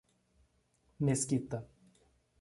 Mesquita